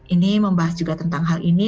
ini membahas juga tentang hal ini